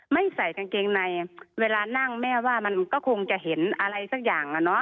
ไม่ใส่กางเกงในเวลานั่งแม่ว่ามันก็คงจะเห็นอะไรสักอย่างอะเนาะ